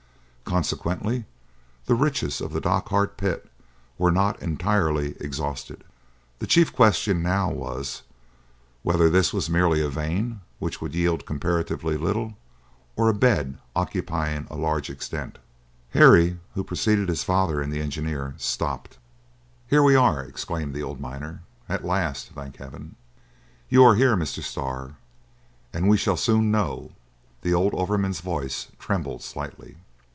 Consequently, the riches of the Dochart pit were not entirely exhausted. The chief question now was, whether this was merely a vein which would yield comparatively little, or a bed occupying a large extent. Harry, who preceded his father and the engineer, stopped. "Here we are!" exclaimed the old miner. "At last, thank Heaven! you are here, Mr. Starr, and we shall soon know." The old overman's voice trembled slightly.